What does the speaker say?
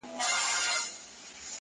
د مسجد په منارو که چي هېرېږئ_